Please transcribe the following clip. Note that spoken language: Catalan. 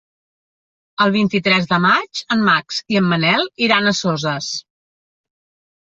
El vint-i-tres de maig en Max i en Manel iran a Soses.